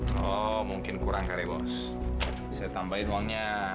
sampai jumpa di video selanjutnya